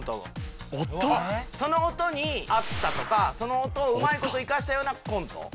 ・その音に合ったとかその音をうまいこと生かしたようなコント。